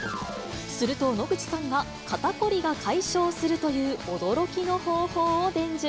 すると、野口さんが肩凝りが解消するという驚きの方法を伝授。